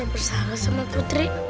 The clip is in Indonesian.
rasu bersalah sama putri